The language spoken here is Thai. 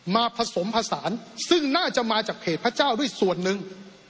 ผสมผสานซึ่งน่าจะมาจากเพจพระเจ้าด้วยส่วนหนึ่ง